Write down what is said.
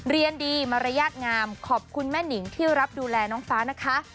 เรียนดีมารยาทงามขอบคุณแม่นิงที่รับดูแลน้องฟ้านะคะ